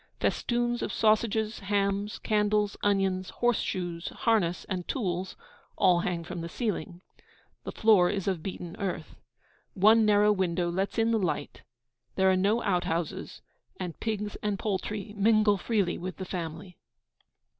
Festoons of sausages, hams, candles, onions, horse shoes, harness, and tools, all hang from the ceiling. The floor is of beaten earth. One narrow window lets in the light. There are no out houses, and pigs and poultry mingle freely with the family.